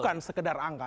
bukan sekedar angka